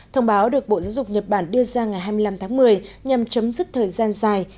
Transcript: thông báo được bộ giáo dục nhật bản đưa ra ngày hai mươi năm tháng một mươi nhằm chấm dứt thời gian dài